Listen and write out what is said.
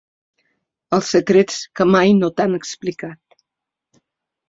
Els secrets que mai no t’han explicat.